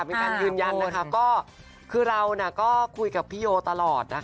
เป็นการยืนยันนะคะก็คือเราก็คุยกับพี่โยตลอดนะคะ